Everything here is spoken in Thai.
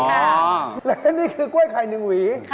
และนี่คือกล้วยไข่หนึ่งวี